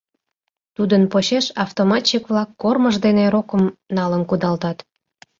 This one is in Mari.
Тудын почеш автоматчик-влак кормыж дене рокым налын кудалтат.